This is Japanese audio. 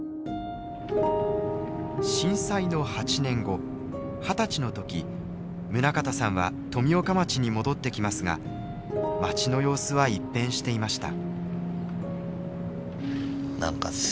震災の８年後二十歳の時宗像さんは富岡町に戻ってきますが町の様子は一変していました。